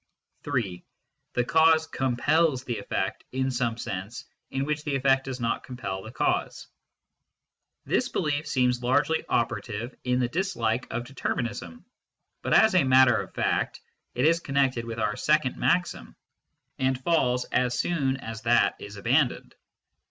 (3) |" The cause compels the effect in some sense in which the effect does not compel the cause/ This belief seems largely operative in the dislike of determinism ; but, as a matter of fact, it is connected with our second maxim, and falls as soon as that is abandoned.